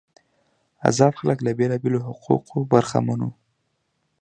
آزاد خلک له بیلابیلو حقوقو برخمن وو.